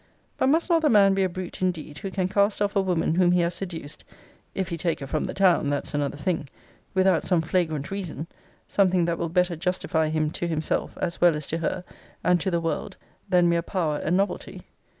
But must not the man be a brute indeed, who can cast off a woman whom he has seduced, [if he take her from the town, that's another thing,] without some flagrant reason; something that will better justify him to himself, as well as to her, and to the world, than mere power and novelty?